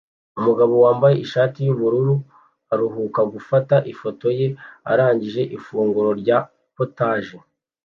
Umugabo wambaye ishati yubururu aruhuka gufata ifoto ye arangije ifunguro rya POTAGE